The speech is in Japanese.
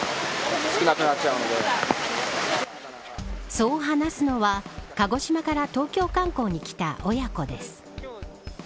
そう話すのは鹿児島から東京観光に来た親子です。